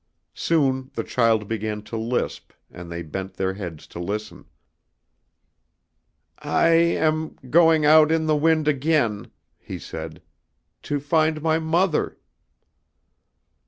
Soon the child began to lisp and they bent their heads to listen. "I am ... going ... out ... in ... the wind ... again," he said, "to find ... my ... mother."